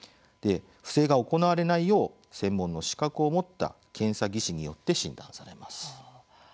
不正が行われないよう専門の資格を持った検査技師によって診断されます。